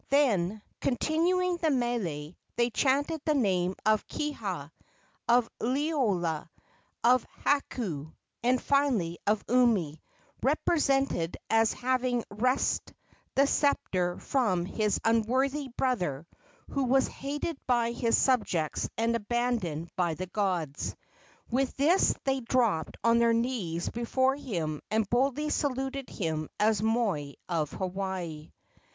Then, continuing the mele, they chanted the name of Kiha, of Liloa, of Hakau, and finally of Umi, represented as having wrested the sceptre from his unworthy brother, who was hated by his subjects and abandoned by the gods. With this they dropped on their knees before him and boldly saluted him as moi of Hawaii.